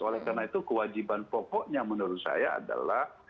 oleh karena itu kewajiban pokoknya menurut saya adalah